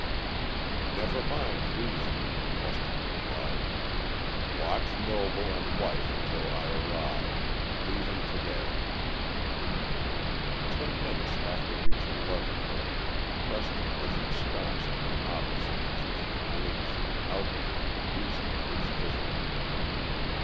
Never mind reason [Preston replied]. Watch Noble and wife until I arrive. Leaving to day. Ten minutes after reaching Leavenworth Preston was ensconced in the office of the chief of police, outlining the reason for his visit.